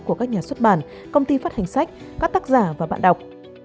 của các nhà xuất bản công ty phát hành sách các tác giả và bạn đọc